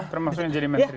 termasuk yang jadi menteri